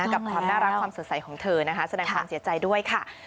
กับความน่ารักความสดใสของเธอนะคะแสดงความเสียใจด้วยค่ะ